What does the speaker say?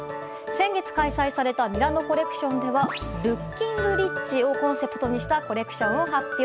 先月開催されたミラノコレクションでは「ＬｏｏｋｉｎｇＲｉｃｈ」をコンセプトにしたコレクションを発表。